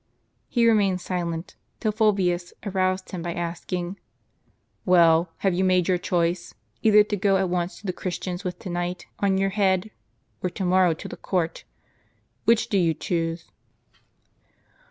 He remained silent, till Fulvius aroused him by asking, "Well, have you made your choice; either to go at once to the Christians with to night on your head, or to mor row to the court ? Which do you choose